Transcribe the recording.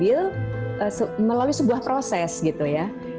kita harus mengambil melalui sebuah proses gitu ya